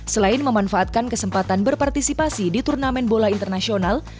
selain memanfaatkan kesempatan berpartisipasi di turnamen bola internasional